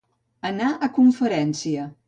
Anar a conferència.